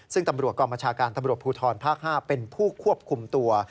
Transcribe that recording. ซึ่งตำรวจกองบัญชาการตำรวจภูทรภาค๕เป็นผู้ควบคุมตัว